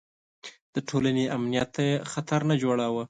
د ټولنې امنیت ته یې خطر نه جوړاوه.